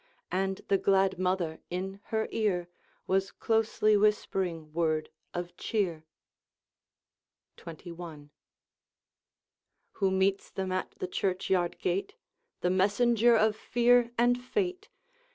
And the glad mother in her ear Was closely whispering word of cheer. XXI. Who meets them at the churchyard gate? The messenger of fear and fate!